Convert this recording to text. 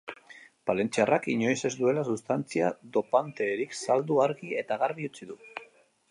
Palentziarrak inoiz ez duela sustantzia dopanteerik saldu argi eta garbi utzi du.